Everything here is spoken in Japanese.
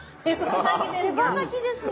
手羽先ですか。